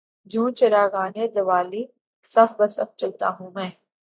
جوں چراغانِ دوالی صف بہ صف جلتا ہوں میں